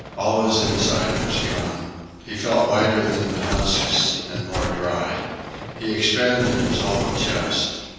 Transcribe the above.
All his inside was gone. He felt lighter than the husks and more dry. He expanded his hollow chest.